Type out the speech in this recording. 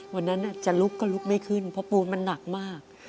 วันนั้นจะลุกก็ลุกไม่ขึ้นเพราะปูนมันหนักมาก